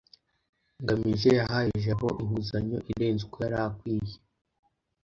ngamije yahaye jabo inguzanyo irenze uko yari akwiye